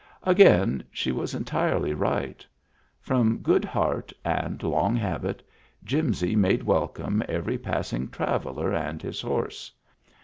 Again she was entirely right. From good heart and long habit Jimsy made welcome every passing traveler and his horse.